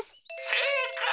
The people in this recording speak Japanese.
「せいかい！